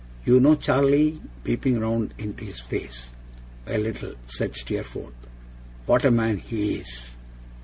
'You know Charley?' peeping round into his face. 'A little,' said Steerforth. 'What a man HE is!